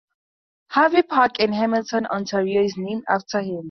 Harvey Park in Hamilton, Ontario, is named after him.